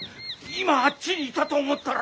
今あっちにいたと思ったら。